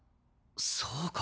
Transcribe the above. そうか。